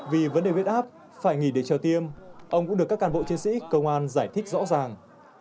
vì vấn đề huyết áp phải nghỉ để chờ tiêm ông cũng được các cán bộ chiến sĩ công an giải thích rõ ràng